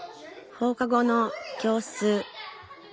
放課後の教室。